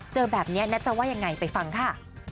เจอแบบนี้นัทจะว่ายังไงไปฟังค่ะ